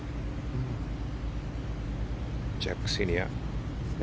ジャック・シニア。